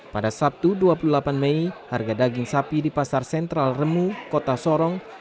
pada sabtu dua puluh delapan mei harga daging sapi di pasar sentral remu kota sorong